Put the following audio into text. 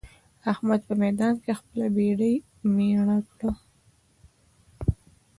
احمد په ميدان کې خپله بېډۍ مير کړه.